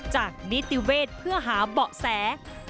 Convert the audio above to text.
จากนิติเวทย์เพื่อหาเบาะแส